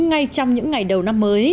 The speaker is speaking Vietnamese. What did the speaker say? ngay trong những ngày đầu năm mới